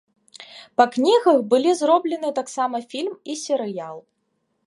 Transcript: Па кнігах былі зроблены таксама фільм і серыял.